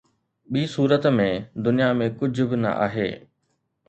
ٻي صورت ۾، دنيا ۾ ڪجهه به نه آهي